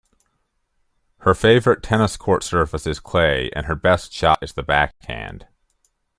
Her favourite tennis court surface is clay, and her best shot is the backhand.